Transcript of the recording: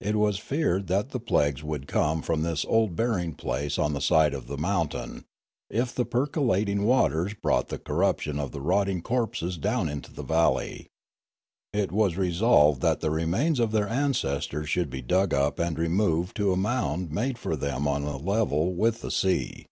It was feared that plagues would come from this old burying place on the side of the mountain, if the per colating waters brought the corruption of the rotting corpses down into the valley. It was resolved that the remains of their ancestors should be dug up and re moved to a mound made for them on a level with the sea.